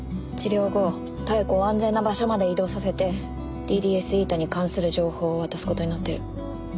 治療後妙子を安全な場所まで移動させてＤＤＳηに関する情報を渡すことになってる。